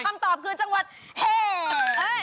คำตอบคือจังหวัดเฮ่เอ้ย